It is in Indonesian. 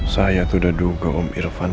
saya tuh udah duga om irfan